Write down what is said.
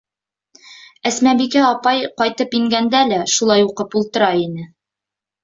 Әсмәбикә апай ҡайтып ингәндә лә, шулай уҡып ултыра ине.